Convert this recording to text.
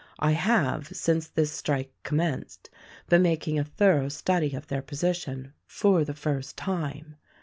I have, since this strike commenced, been making a thorough study of their position — for the first time.